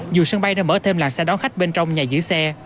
nhiều sân bay đã mở thêm làng xe đón khách bên trong nhà giữ xe